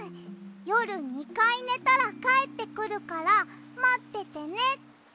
よる２かいねたらかえってくるからまっててねって。